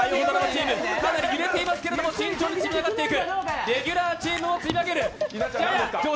かなり揺れていますが慎重に積み上げていく。